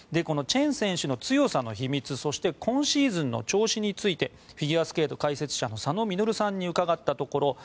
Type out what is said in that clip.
チェン選手の強さの秘密そして今シーズンの調子についてフィギュアスケート解説者の佐野稔さんに伺ったところ